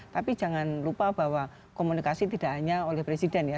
tapi jangan lupa bahwa komunikasi tidak hanya oleh presiden ya